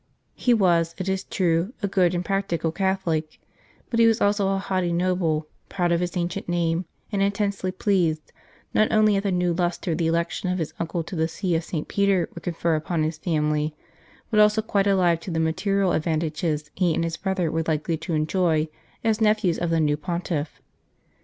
He was, it is true, a good and practical Catholic, but he was also a haughty noble, proud of his ancient name, and intensely pleased, not only at the new lustre the election of his uncle to the See of St. Peter would confer upon his family, but also quite alive to the material advantages he and his brother were likely to enjoy as nephews of the new Pontiff.